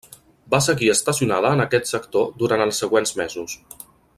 Va seguir estacionada en aquest sector durant els següents mesos.